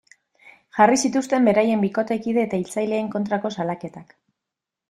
Jarri zituzten beraien bikotekide eta hiltzaileen kontrako salaketak.